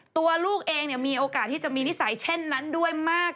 ตัวลูกเองมีโอกาสที่จะมีนิสัยเช่นนั้นด้วยมาก